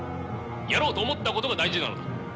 やろうと思ったことが大事なのだ。